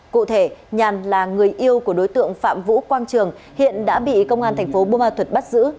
cụ thể nhàn là người yêu của đối tượng phạm vũ quang trường hiện đã bị công an tp bô ma thuật bắt giữ